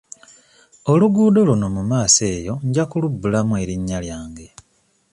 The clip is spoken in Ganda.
Oluguudo luno mu maaso eyo nja kulubbulamu erinnya lyange.